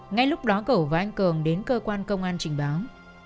ngay lúc đó cầu và anh cường đến cơ quan công an trình báo